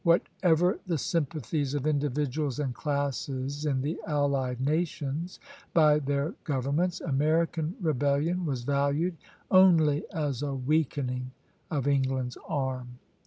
Whatever the sympathies of individuals and classes in the allied nations, by their governments American rebellion was valued only as a weakening of England's arm.